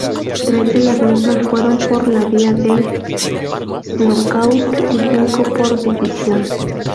Tres de las mismas fueron por la vía del nocaut y cinco por decisión.